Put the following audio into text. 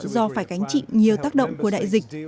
do phải gánh chịu nhiều tác động của đại dịch